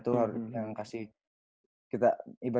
sebenarnya nya sih ni setuju